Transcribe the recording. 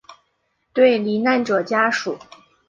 对罹难者家属